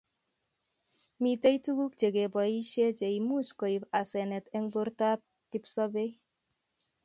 Mitei tuguk che kechobisie cheiumuch koib asenet eng bortap kipkosobei